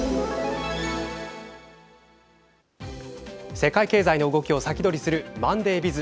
世界経済の動きを先取りするＭｏｎｄａｙＢｉｚ。